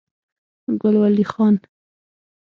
ګل ولي خان